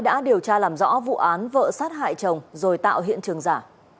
đã điều tra làm rõ vụ án vợ sát hại chồng rồi tạo hiện trường giả